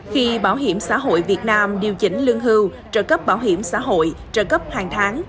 khi bảo hiểm xã hội việt nam điều chỉnh lương hưu trợ cấp bảo hiểm xã hội trợ cấp hàng tháng